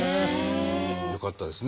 よかったですね